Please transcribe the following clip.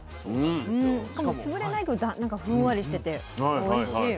しかも潰れないけどなんかふんわりしてておいしい。